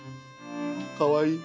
かわいい。